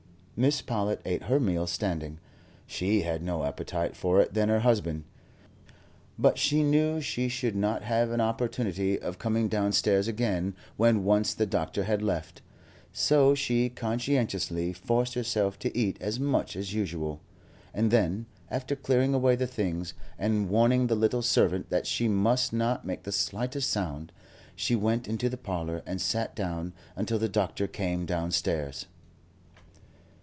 Mrs. Powlett ate her meal standing; she had no more appetite for it than her husband, but she knew she should not have an opportunity of coming downstairs again when once the doctor had left, so she conscientiously forced herself to eat as much as usual, and then, after clearing away the things, and warning the little servant that she must not make the slightest sound, she went into the parlour and sat down until the doctor came downstairs.